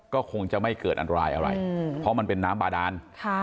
ก็คงจะไม่เกิดอันตรายอะไรเพราะมันเป็นน้ำบาดาน